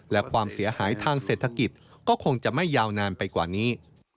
และความเสียหายทางเศรษฐกิจก็คงจะไม่ยาวนานไปกว่านี้